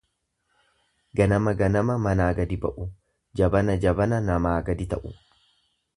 Ganama ganama manaa gadi ba'u, jabana jabana namaa gadi ta'u.